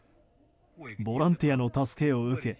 ボランティアの助けを受け